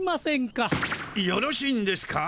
よろしいんですか？